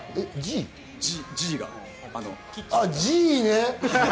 Ｇね！